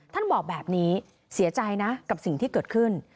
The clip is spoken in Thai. ท่านบอกแบบนี้เสียใจนะกับสิ่งที่เกิดขึ้น